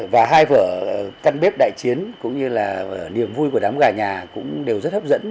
và hai vở căn bếp đại chiến cũng như là niềm vui của đám gà nhà cũng đều rất hấp dẫn